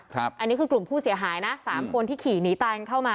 ครับอันนี้คือกลุ่มผู้เสียหายน่ะสามคนที่ขี่หนีตายเข้ามา